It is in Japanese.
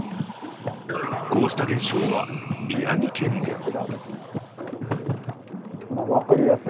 こうした現象は、宮城県でも。